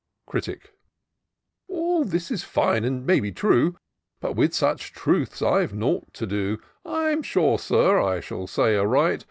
'* Critic. " All this is fine — and may be true ; But with sudi truths Fve nought to do. I'm sure. Sir, 1 shall say aright.